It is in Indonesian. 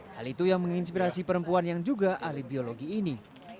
hal itu yang menginspirasi perempuan yang juga ahli biologi ini